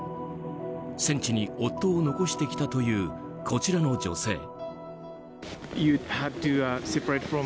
戦地に夫を残してきたというこちらの女性。